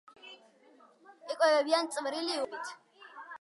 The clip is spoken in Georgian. იკვებებიან წვრილი უხერხემლო ცხოველებით.